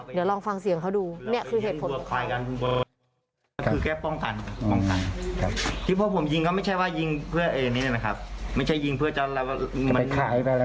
เดี๋ยวลองฟังเสียงเขาดูเนี่ยคือเหตุผล